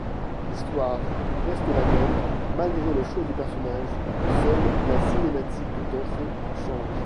L'Histoire reste la même malgré le choix du personnage, seul la cinématique d'entrée change.